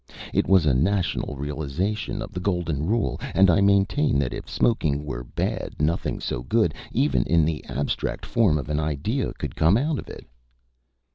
It was a national realization of the golden rule, and I maintain that if smoking were bad nothing so good, even in the abstract form of an idea, could come out of it."